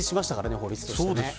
法律として。